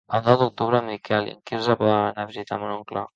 El nou d'octubre en Miquel i en Quirze volen anar a visitar mon oncle.